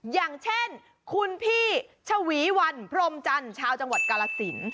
อย่างเช่นคุณพี่ชวีวันพรมจันทร์ชาวจังหวัดกาลสิน